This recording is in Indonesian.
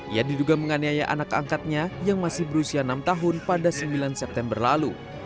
ia diduga menganiaya anak angkatnya yang masih berusia enam tahun pada sembilan september lalu